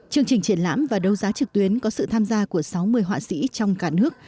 chương trình triển lãm và đấu giá trực tuyến có sự tham gia của sáu mươi họa sĩ trong cả nước